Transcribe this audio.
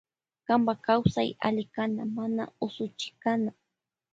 Kanpa kawsay alli kana mana usuchikana.